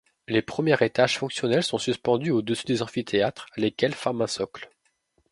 Les premiers étages fonctionnels sont suspendus au-dessus des amphithéâtres, lesquels forment un socle.